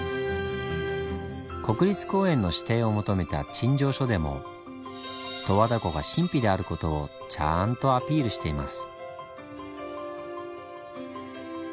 国立公園の指定を求めた陳情書でも十和田湖が神秘である事をちゃんとアピールしています。